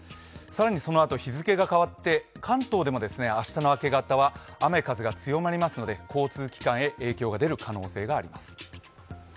更にそのあと、日付が変わって関東でも明日の明け方は雨、風が強まりますので、交通機関へ影響が出る可能性があります。